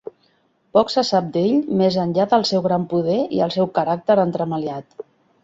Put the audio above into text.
Poc se sap d'ell més enllà del seu gran poder i el seu caràcter entremaliat.